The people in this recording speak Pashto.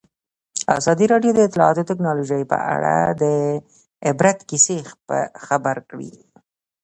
ازادي راډیو د اطلاعاتی تکنالوژي په اړه د عبرت کیسې خبر کړي.